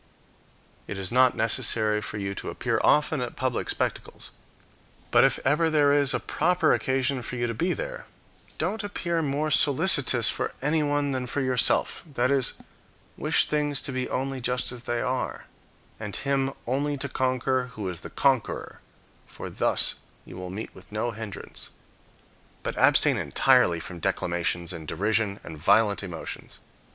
It is not necessary for you to appear often at public spectacles; but if ever there is a proper occasion for you to be there, don't appear more solicitous for anyone than for yourself; that is, wish things to be only just as they are, and him only to conquer who is the conqueror, for thus you will meet with no hindrance. But abstain entirely from declamations and derision and violent emotions.